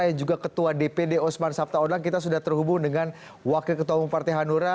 dan juga ketua dpd osman sabta odang kita sudah terhubung dengan wakil ketua umum partai hanura